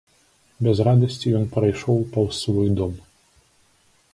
Без радасці ён прайшоў паўз свой дом.